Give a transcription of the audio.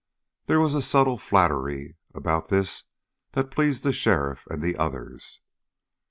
There was a subtle flattery about this that pleased the sheriff and the others.